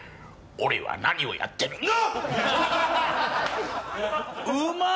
俺は何をやってるんだ‼